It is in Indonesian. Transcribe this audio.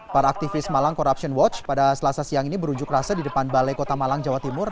para aktivis malang corruption watch pada selasa siang ini berunjuk rasa di depan balai kota malang jawa timur